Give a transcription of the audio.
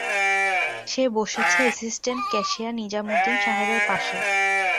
সে বসেছে assistant cashier Nizamuddin সাহেবের পাশে।